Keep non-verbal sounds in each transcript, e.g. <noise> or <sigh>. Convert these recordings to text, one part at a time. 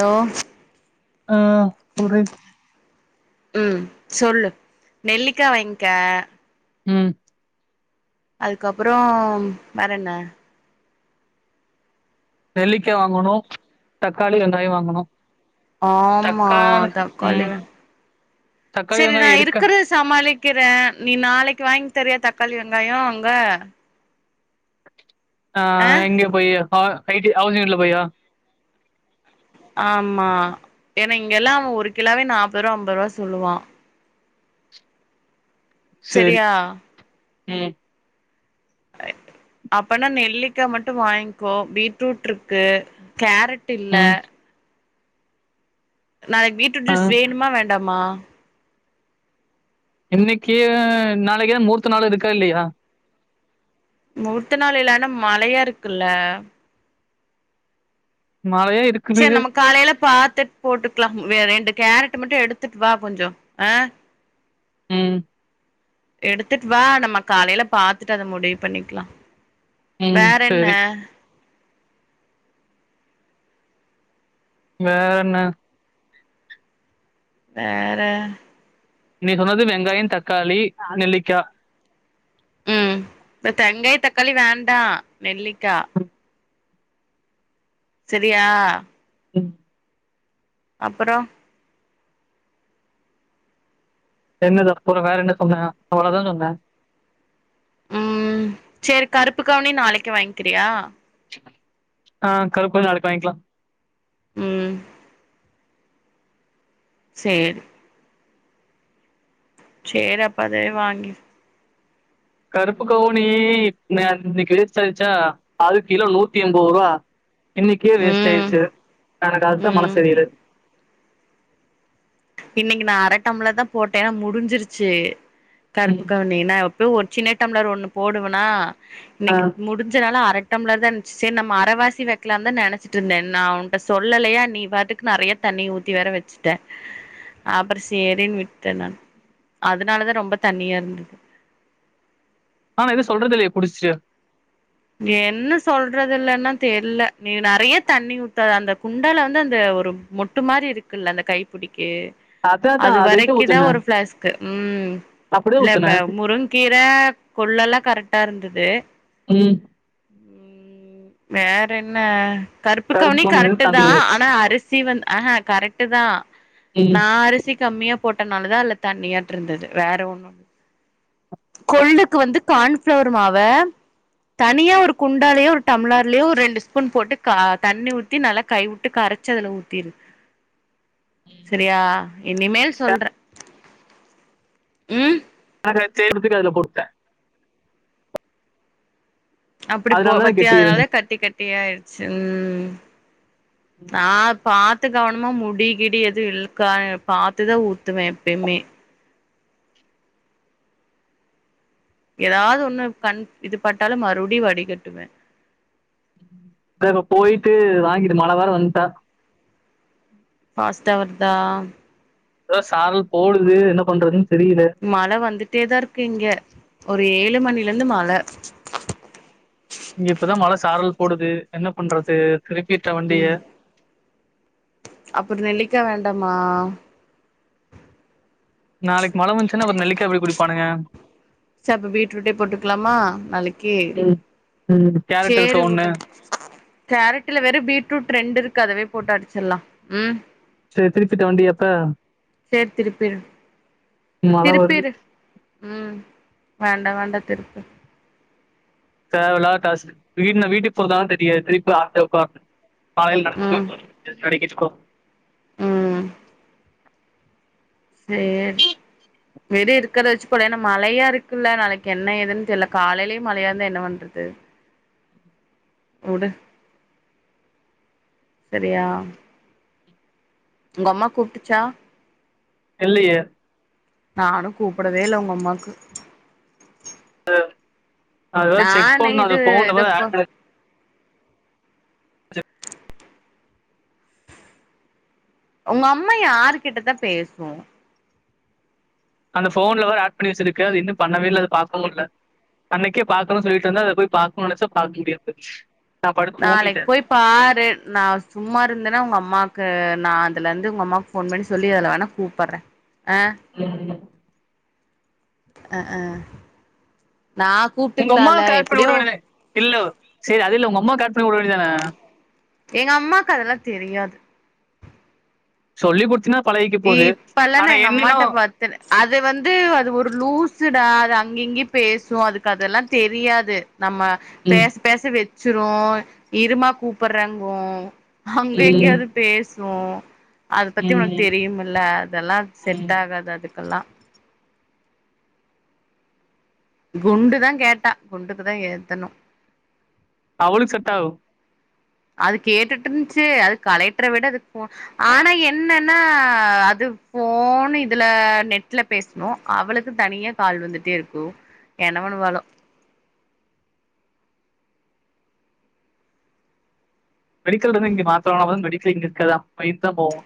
Hello ஆ உரை ம் சொல்லு நெல்லிக்கா வாங்கிக்க ம் அதுக்கப்பறோ வேற என்ன நெல்லிக்கா வாங்கணு தக்காளி வெங்காயோ வாங்கணு ஆமா தக்காளி ம். வெ தக்காளி, செரி நா வெங்காயம் இருக்கா? இருக்கிற சமாளிக்கிறே நீ நாளைக்கு வாங்கி தரியா தக்காளி வெங்காயோ அங்க ஆ எங்கே போய் அ எயிட்டி ஹவுசிங் வீட்ல போயா ஆமா ஏன்னா இங்கெல்லா அவ ஒரு கிலோவே நாப்பது ரூவா அம்பது ரூவா சொல்லுவா செரி செரியா ம் அப்பனா நெல்லிக்கா மட்டு வாங்கிக்கோ பீட்ரூட் ருக்கு கேரட் இல்ல ம். நாளைக்கு பீட்ரூட் ஆ ஜூஸ் வேணுமா வேண்டாமா இன்னைக்கி நாளைக்கு தா மூர்த்த நாலு இருக்க இல்லையா மூர்த்த நாள் இல்லன்னா மழயா இருக்குல்ல மழயே இருக் செரி நம்ம காலேல பாத்துட் போட்டுக்கிலா வேற ரெண்டு கேரட் மட்டு எடுத்துட்டு வா கொஞ்சோ அ ம் எடுத்துட்டு வா நம்ம காலேல பாத்துட்டு அத முடிவு பண்ணிக்கிலா ம். வேற என்ன சரி. வேற என்ன வேற நீ சொன்னது வெங்காயோ தக்காளி நெல்லிக்கா ம் பட் தெங்காய தக்காளி வேண்டா நெல்லிக்கா ம். செரியா ம் அப்படோ என்னது அப்பறோ வேற என்ன சொன்ன அவ்வளதா சொன்ன செரி கருப்பு கவுனி நாளைக்கு வாங்கிக்கிறியா ஆ கருப்பு கவுனி நாளைக்கு வாங்கிக்கலா ம் சேரி சேரி அப்ப அதே வாங்கி கருப்பு கவுனி அ இன்னைக்கி வேஸ்டாரிச்சா அது கிலோ நூத்தி எம்போது ரூவா இன்னைக்கே வேஸ்ட் ம் ஆயிடுச்சு எனக்கு அதுதா மனச ம் செரில்ல இன்னைக்கி நா அர டம்ளர் தா போட்டே முடிஞ்சிருச்சி ம் கருப்பு கவுனினா ப்பவு ஒரு சின்ன டம்ளர் ஒண்ணு போடுவேனா ஆ இன்னைக்கி முடிஞ்சனால அர டம்ளர் தா இருந்ச்சு செரி நம்ம அவர் வாசி வக்கலானு தா நெனச்சிட்டு ருந்தே நா உன்ட்ட சொல்லலையா நீ பாட்டு கு நெறைய தண்ணி ஊத்தி வேற வச்சுட்ட அப்பற சேரினு விட்டே நானு அதுனாலதா ரொம்ப தண்ணியா இருந்தது ஆனா நா எதுமே சொல்றது இல்லயே புடிச்சுட்டு நீ என்ன சொல்றது இல்லன்னா தெர்ல நீ நெறைய தண்ணி ஊத்தாத அந்த குண்டால வந்து அந்த ஒரு முட் முட்டு மாரி இருக்குல்ல அந்த கைப்பிடிக்கி அதான் அது அதான் அதுக்கு வரைக்குதா ஊத்துனேன் ஒரு பிளாஸ்க்கு ம் அப்படியே இல்ல ப ஊத்துனேன் முரங் கீர கொள்ளல்லா கரெக்டாக இருந்தது ம் ம் வேற என்ன கருப்பு கவனி கவுனில இருந்து கரெக்டு தா தண்ணி ஆயிடுச்சு னா அருஸ் சி வந்து ஆஹ கரெக்டு தா ம் நா அரிசி கம்மியா போட்டனாலதா அதுல தண்ணியாட்டு இருந்துது வேற ஒண்ணு கொள்ளுக்கு வந்து கான்ஃப்ளவர் மாவ தனியா ஒரு குண்டாலேயோ ஒரு டம்ளார்லயோ ஒரு ரெண்டு ஸ்பூன் போட்டு கா தண்ணி ஊத்தி நல்லா கைவுட்டு கர சு அதுல ஊத்தீரு <unintelligible> செரியா இனிமேல் சொல்ற ம் <inaudible> செய்யறதுக்கு அதுல போட்ட அப்டி போ அதனாலதான் பத்திய கெட்டி அதனால இருந்தேன் கட்டி கட்டியா ஆயிருச்சு ம் ஆ பாத்து கவனமா முடிகிடி எதுவு இழுக்கா பாத்துதா ஊத்துவ எப்பயுமே எதாவது ஒண்ணு கண் இது பட்டாலு மறுபடியு வடிகட்டுவே இப்ப அங்க போயிட்டு வாங்கிட்டு மழ வோர வந்ட்ட பாஸ்ட்டா வருதா எதோ சாரல் போடுது என்ன பண்றதுன்னு தெரில மழ வந்துட்டேதா இருக்கு இங்க ஒரு ஏழு மணிலருந்து மழ இங்க இப்பதா மழ சாரல் போடுது என்ன பண்றது திருப்பீர்ட்டா வண்டிய அப்பறோ நெல்லிக்க வேண்டாமா நாளைக்கு மழை வந்ச்சுன்னா அப்பறோ நெல்லிக்கா எப்படி குடிப்பானுங்க சப்ப பீட்ரூட்டே போட்டுக்கலாமா நாளைக்கு ம் ம் கேரட் இருக்க சேரி ஒண்ணு உடு கேரட்டுல வேரு பீட்ரூட் ட்ரெண்ட் இருக்கு அதுவே போட்டு அடிச்சிர்லா ம் செரி திருப்பீட்ட வண்டி எப்ப மழ வருது திருப்பீரு ம் வேண்டா வேண்டா திருப்பு தேவ இல்லாத டாஸ்க் வீடுன வீட்டுக்கு போறதான் தெரியது திருப்பி <inaudible> ம் <inaudible> ம் சேரி விடு இருக்கறத வச்சு போல ஏன்னா மழையா இருக்குல்ல நாளைக்கு என்ன ஏதுன்னு தெரில காலையிலயு மழையா இருந்தா என்ன பண்றது உடு செறியா உங்க அம்மா கூப்டுச்சா இல்லயே நானு கூப்படவே இல்ல உங்க அம்மாக்கு அதுதா செக் நானு பண்ணு இது அது இதப்ப <unintelligible> உங்க அம்மா யாரு கிட்டதா பேசூ அந்த போன்ல வேர் ஆட் பண்ணி வெச்சிருக்கு அது இன்னு பண்ணவே இல்ல அது பாக்கவு இல்ல அன்னைக்கே பாக்கணு சொல்லிட்ருந்த அத போய் பாக்கணு நெனச்ச பாக்க முடியாத போச் நாளைக்கு போய் பாரு நா சும்மா இருந்தன்னா உங்க அம்மாவுக்கு நா அதுல இருந்து உங்க அம்மாக்கு ஃபோன் பண்ணி சொல்லி அதுல வேணா கூப்பட்ற ஆ ம் அ அ நா உங்க அம்மாவ கூப்ட்டுக்கலால கனெக்ட் பண்ணிவுட எப்டியோ வேண்டியதான இல்ல செரி அது இல்ல உங்க அம்மாவ கனெக்ட் பண்ணிவுட வேண்டியதான எங்க அம்மாக்கு அதெல்லா தெரியாது சொல்லி குடுத்தினா இப்பல்ளா நா எங்க அம்மாட்ட பாத் அது வந்து அது ஒரு லூசுடா அது அங்க இங்கயு பேசு அதுக்கு அதெல்லா தெரியாது நம்ம ம் பேச பேச வச்சிரு இருமா கூப்ட்றங்கு அங்க இங்கயு ம் அது பேசு அத பத்தி உனக் ம் பீம் இல்ல அதெல்லா செட் ம் ஆகாது அதுக்கல்லா குண்டு தான் கேட்டா குண்டுக்கு தா ஏத்தணு அவளுக்கு செட்டாகு அது கேட்டுட் இருந்துச்சு அது கலெட்டர விட அதுக்கு போ ஆனா என்னனா அது ஃபோன் இதுல நெட்ல பேசனு அவளுக்கு தனியா கால் வந்துட்டே இருக்கு என்ன பண்ணுவாளோ மெடிக்கல் வந்து இங்க மாத்லாவன் மெடிக்கல் இங்க இருக்காதா பைத்தா போவா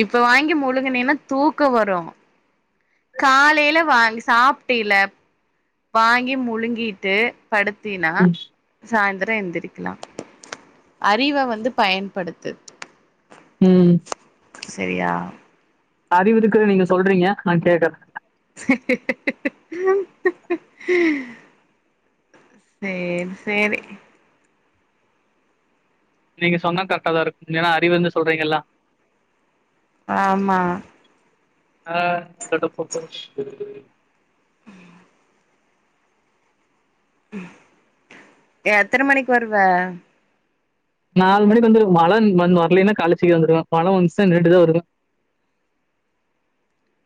இப்ப வாங்கி முழுங்குனின்னா தூக்க வரு காலைல வாங்கி சாப்ட்டில வாங்கி முழுங்கிட்டு படுத்தினா ம். சாய்ந்தர எந்திரிக்கலா அறிவ வந்து பயன்படுத்து. ம் செரியா அறிவு இருக்குற நீங்க சொல்றீங்க நா கேக்குற <inaudible> செர் செரி நீங்க சொன்னா கரெக்டாதா இருக்கு உண்மையான அறி இருந்து சொல்றீங்கல்லா. ஆமா ஆ <unintelligible> எத்தன மணிக்கு வருவ நாலு மணிக்கு வந்துருவ மழ வரலன்னா காலைல சீக்கிர வந்துருவ மழ வந்ச்சுனா நின்னுட்டு தா வருவ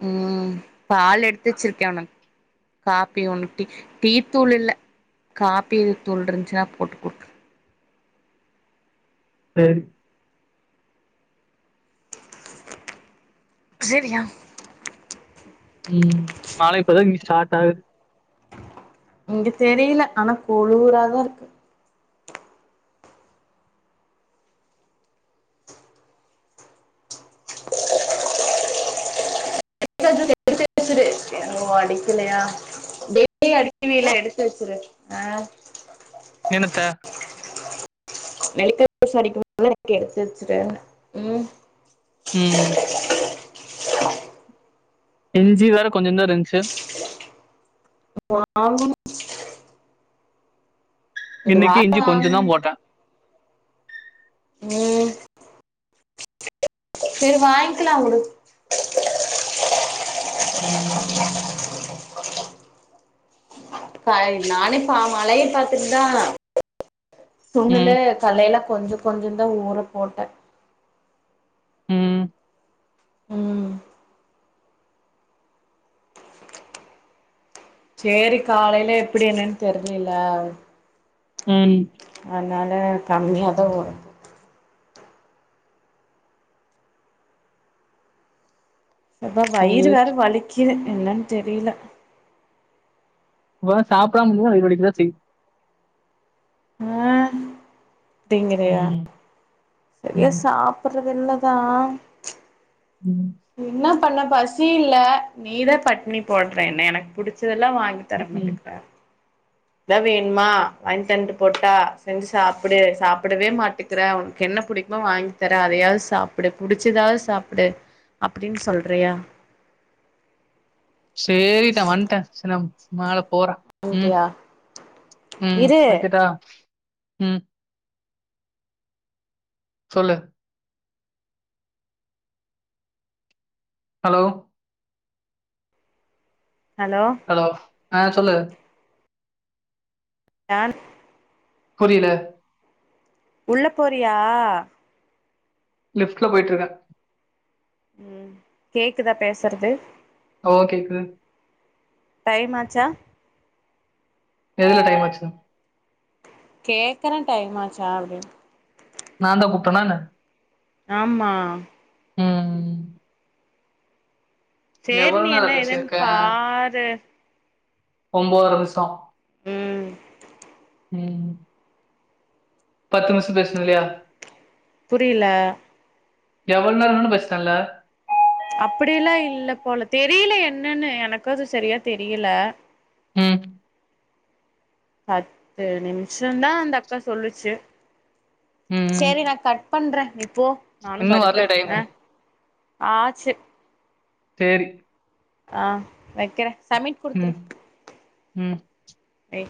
ம் பால் எடுத்து வச்சிருக்க உனக்கு காஃபி ஒன்னு டீ டீ தூள் இல்ல காஃபித்தூள் இருந்துச்சா போட்டு குடுத்து செரி ஜெவியா மழ இப்பதா இங்க ஸ்டார்ட் ஆகுது இங்க தெரியல ஆனா கொழூவுராதா இருக்கு எடுத்து வச்சிரு ஓ அடிக்கலையா டெய்லி அடிவில எடுத்து வச்சரு ஆ எனக்கா நெளக்கச எனக்கு எடுத்து வச்சுட்டேன் ம் ம் எஞ்சி வேற கொஞ்சோ தா இருந்ச்சு வாங்கணு இந்த இன்னைக்கு வாரோ இஞ்சி கொஞ்சோ தா வாங்கணு போட்ட ம் சரி வாங்கிக்லா உடு ம் <unintelligible> மழய பாத்துட்தா ம். தூங்கல்ல கலைய்ல கொஞ்சு கொஞ்சு தா ஊற போட்டே ம். ம் ச்சேரி காலைய்ல எப்படி என்னன் தெர்லில ம் அத்னால கம்மியா தா வரு எப்பா வயிறு சரி. வேற வலிக்கிது என்னன் தெரில வா சாப்டாம <unintelligible> வயிறு வலிக்தா செய் அ திங்கறியா ம். சரியா ம். சாப் ப்புறதில்லதா உம் என்னா பண்ண பசி இல்ல நீதான் பட்னி போட்ற என்ன எனக்கு புடிச்சதெல்லா வாங்கி ம் தறமாட்டிக்ற தா வேண்மா வாங் தண்ட்டு போட்டா செஞ்சு சாப்புடு சாப்பிடவே மாட்டு க்றவ்ன் கென்ன பிடிக்மோ வாங்கி தரே அதையாவ் சாப்புடு புடிச்சதாவ் சாப்புடு அப்படின் சொல்றேயா சேரிட்டா வந்ட்டே சினம் மேல போற உம் வாங்கிட்டியா உம் இரு வைக்கட்டா உம் சொல்லு ஹலோ ஹலோ ஹலோ ஆ சொல்லு யான் புரில உள்ள போறியா லிஃப்ட்ல போய்ட்ருக்க உம் கேக்குதா பேசுற்து ஓகேக்கு டைம் ஆச்சா எல்லா டைம் ஆச்சுதா கேக்கற டைமாச்சா அப்டீன் நா தா கூப்ட்டனா என்ன ஆம்மா ம் சேரி நீ எவ்வளவு என்ன நேரம் எதென் பேசியிருக்கேன் பாரு ஒம்போத்ர விசோ ம் ம் பத்து மிஸ்ஸு பேஸ்ணு இல்லையா புரில்ல எவ்வள் நேர வேணாலு பேஸ்நல்ல அப்படியெல்லா இல்ல போல தெரில என்னன்னு எனக்கு அது சரியா தெரியல ம் பத்து நிமிஷன்தா அந்த அக்கா சொல்லுச்சு ம் சரி நா கட் பண்ற இப்போ நானு இன்னும் வரல படுக்றே டைம் ஆ ஆச்சு தேரி ஆ வெக்கறே சமீட் ம் ம் ஏ